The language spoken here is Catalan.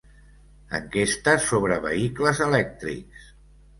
Enquesta sobre vehicles elèctrics.